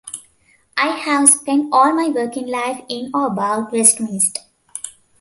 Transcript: I have spent all my working life in or about Westminster.